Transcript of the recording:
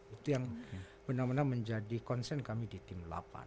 itu yang benar benar menjadi concern kami di tim delapan